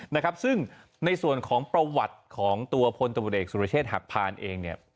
นะครับซึ่งในส่วนของประวัติของตัวพลตำรวจเอกสุรเชษฐหักพานเองเนี่ย